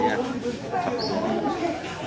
iya satu rumah